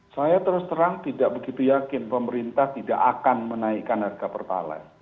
saya terus terang tidak begitu yakin pemerintah tidak akan menaikkan harga pertalai